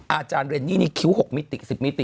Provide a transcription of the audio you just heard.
อาจารย์เรนนี่นี่คิ้ว๖มิติ๑๐มิติ